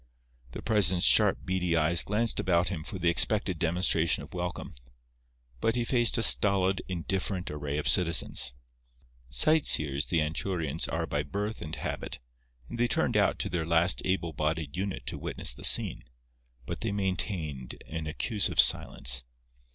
The president's sharp, beady eyes glanced about him for the expected demonstration of welcome; but he faced a stolid, indifferent array of citizens. Sight seers the Anchurians are by birth and habit, and they turned out to their last able bodied unit to witness the scene; but they maintained an accusive silence.